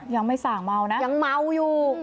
ยังไม่สั่งเมานะยังเมาอยู่